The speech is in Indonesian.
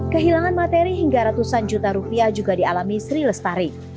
kehilangan materi hingga ratusan juta rupiah juga dialami sri lestari